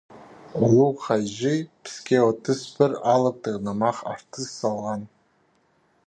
Улуғ хайҷы піске отыс пір алыптығ нымах артыс салған.